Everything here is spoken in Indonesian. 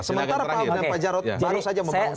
sementara pak ahok dan pak jarod baru saja membangun